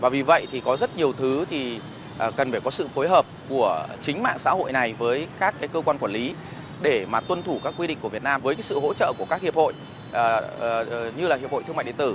vì vậy thì có rất nhiều thứ thì cần phải có sự phối hợp của chính mạng xã hội này với các cơ quan quản lý để mà tuân thủ các quy định của việt nam với sự hỗ trợ của các hiệp hội như là hiệp hội thương mại điện tử